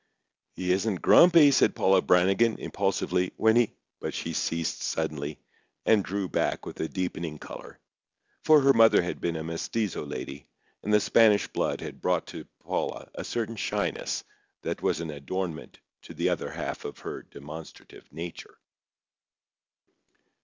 "He isn't grumpy," said Paula Brannigan, impulsively, "when he—" But she ceased suddenly, and drew back with a deepening colour; for her mother had been a mestizo lady, and the Spanish blood had brought to Paula a certain shyness that was an adornment to the other half of her demonstrative nature.